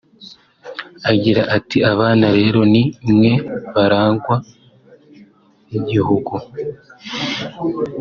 Agira ati “Abana rero ni mwe baragwa b’igihugu